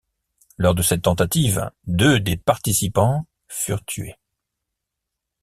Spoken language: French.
Lors de cette tentative deux des participants furent tués.